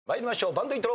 バンドイントロ。